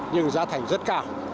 nhưng gia thành rất cả